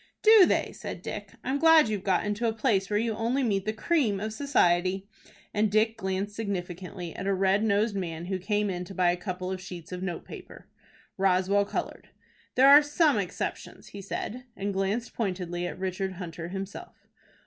"Do they?" said Dick. "I'm glad you've got into a place where you only meet the cream of society," and Dick glanced significantly at a red nosed man who came in to buy a couple of sheets of notepaper. Roswell colored. "There are some exceptions," he said, and glanced pointedly at Richard Hunter himself.